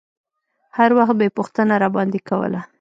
هر وخت به يې پوښتنه راباندې کوله.